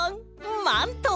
マント！